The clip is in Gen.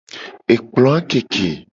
Ekploa keke.